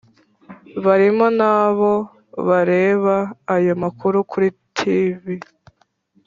barimo nabo bareba ayo makuru kuri tv.